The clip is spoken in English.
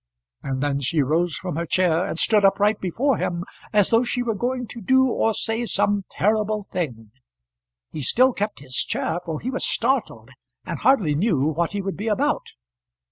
And then she rose from her chair, and stood upright before him, as though she were going to do or say some terrible thing. He still kept his chair, for he was startled, and hardly knew what he would be about.